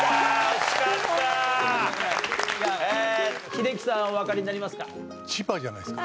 英樹さんおわかりになりますか？